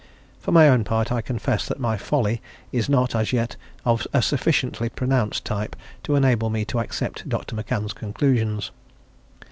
For my own part, I confess that my "folly" is not, as yet, of a sufficiently pronounced type to enable me to accept Dr. McCann's conclusions.